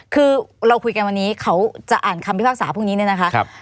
คือเราคุยกันวันนี้เขาจะอ่านคำพิพากษาพรุ่งนี้เนี่ยนะคะ